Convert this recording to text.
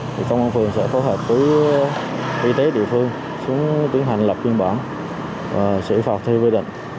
thì công an phường sẽ phối hợp với y tế địa phương xuống tiến hành lập phiên bản và xử phạt theo quyết định